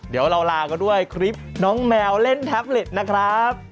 เดี๋ยวเราลากันด้วยคลิปน้องแมวเล่นแท็บเล็ตนะครับ